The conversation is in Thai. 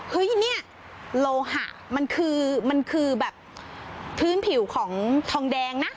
เฮ้ยนี่โลหะมันคือแบบพื้นผิวของทองแดงนะ